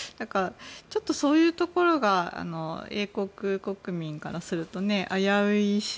ちょっとそういうところが英国国民からすると危ういし